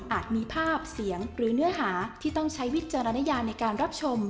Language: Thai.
มีภาพเสียงหรือเนื้อหาที่ต้องใช้วิจารณญาในการรับชม